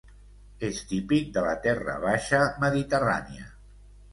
És típic de la terra baixa mediterrània.